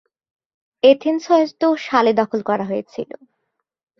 Athens হয়তো সালে দখল করা হয়েছিল।